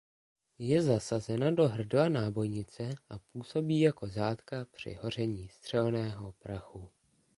Je zasazena do hrdla nábojnice a působí jako zátka při hoření střelného prachu.